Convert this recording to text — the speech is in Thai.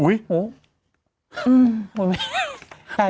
หมดไหม